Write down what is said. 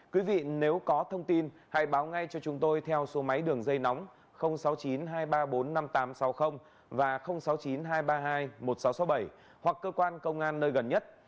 quý vị nếu có thông tin hãy báo ngay cho chúng tôi theo số máy đường dây nóng sáu mươi chín hai trăm ba mươi bốn năm nghìn tám trăm sáu mươi và sáu mươi chín hai trăm ba mươi hai một nghìn sáu trăm sáu mươi bảy hoặc cơ quan công an nơi gần nhất